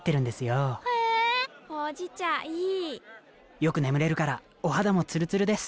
よく眠れるからお肌もツルツルです。